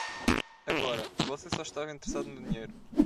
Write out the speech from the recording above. Agora, você só estava interessado no dinheiro.